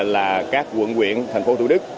là các quận quyện thành phố thủ đức